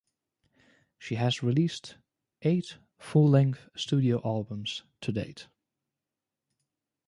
She has released eight full-length studio albums to date.